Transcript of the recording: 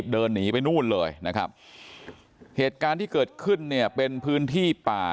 เดินหนีไปนู่นเลยนะครับเหตุการณ์ที่เกิดขึ้นเนี่ยเป็นพื้นที่ป่า